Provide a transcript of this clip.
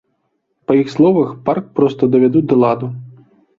Па іх словах, парк проста давядуць да ладу.